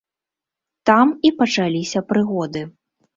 Там і пачаліся прыгоды.